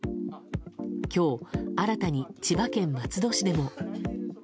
今日、新たに千葉県松戸市でも。